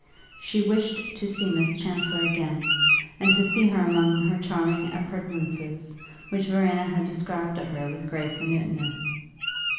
She wished to see Miss Chancellor again, and to see her among her charming appurtenances, which Verena had described to her with great minuteness.